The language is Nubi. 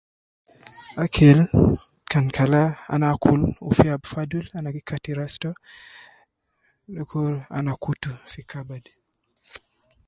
Akil kan kala ana akul wu fi an fadul ana gi kati ras to, dukur ana kutu fi kabad